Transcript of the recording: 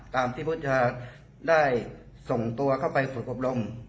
ตามที่พุทธศาสตร์ได้ส่งตัวเข้าไปฝุดปรบรม